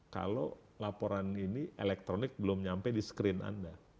kalau laporan ini elektronik belum nyampe di screen anda